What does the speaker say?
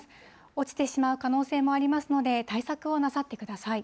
落ちてしまう可能性もありますので、対策をなさってください。